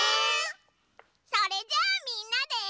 それじゃあみんなで。